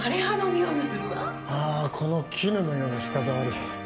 ああこの絹のような舌触り